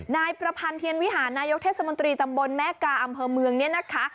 นายประพันธ์เทียนวิหารนายกเทศมนตรีตำบลแม่กาอำเภอเมืองเนี่ยนะคะ